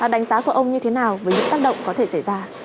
đánh giá của ông như thế nào với những tác động có thể xảy ra